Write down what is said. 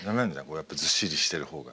こうやっぱずっしりしてる方が。